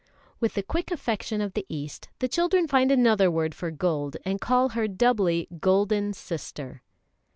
With the quick affection of the East the children find another word for Gold and call her doubly Golden Sister.